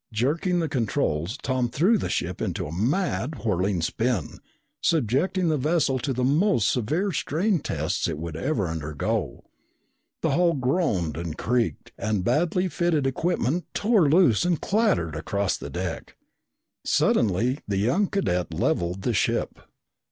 Jerking the controls, Tom threw the ship into a mad, whirling spin, subjecting the vessel to the most severe strain tests it would ever undergo. The hull groaned and creaked, and badly fitted equipment tore loose and clattered across the deck. Suddenly the young cadet leveled the ship.